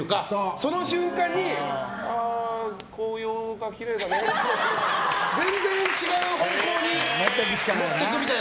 その瞬間に紅葉がきれいだねって全然違う方向に持っていくみたいな。